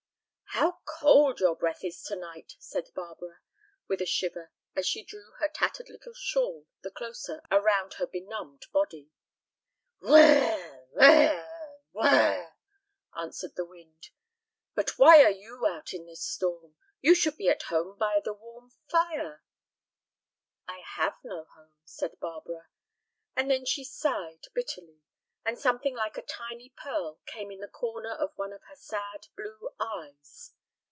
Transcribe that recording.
"How cold your breath is to night!" said Barbara, with a shiver, as she drew her tattered little shawl the closer around her benumbed body. "Whirr r r! whirr r r! whirr r r!" answered the wind; "but why are you out in this storm? You should be at home by the warm fire." "I have no home," said Barbara; and then she sighed bitterly, and something like a tiny pearl came in the corner of one of her sad blue eyes.